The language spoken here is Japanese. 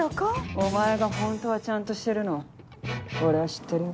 お前が本当はちゃんとしてるの俺は知ってるよ。